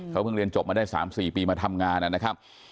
เขาเพิ่งเรียนจบมาได้๓๔ปีมาทำงานนะครับ